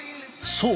そう。